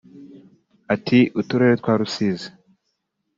Ati "Uturere twa Rusizi